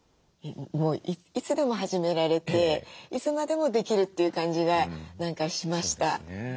もういつでも始められていつまでもできるっていう感じが何かしました。